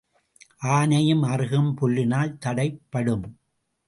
ஆனையும் அறுகம் புல்லினால் தடைப்படும்.